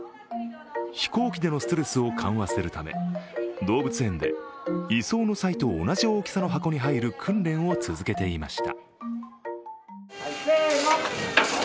飛行機でのストレスを緩和するため動物園で移送の際と同じ大きさの箱に入る訓練を続けていました。